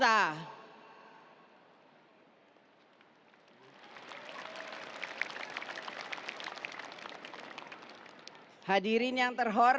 yang hanya jumlah burung ini itu kebanyakan untuk memperolehi lingkungan tuhan